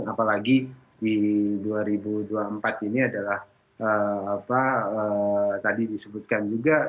apalagi di dua ribu dua puluh empat ini adalah apa tadi disebutkan juga